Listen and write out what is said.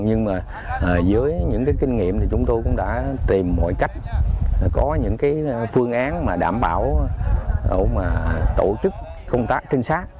nhưng mà dưới những kinh nghiệm chúng tôi cũng đã tìm mọi cách có những phương án đảm bảo tổ chức công tác trinh sát